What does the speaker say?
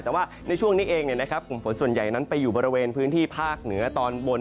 แต่ว่าในช่วงนี้เองกลุ่มฝนส่วนใหญ่นั้นไปอยู่บริเวณพื้นที่ภาคเหนือตอนบน